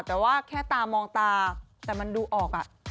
แต่ว่าแค่ตามองตาแต่มันดูออก